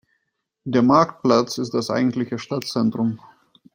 Der Marktplatz ist das eigentliche Stadtzentrum.